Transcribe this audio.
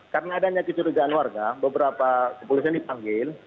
karena adanya kecurigaan warga beberapa kepolisian dipanggil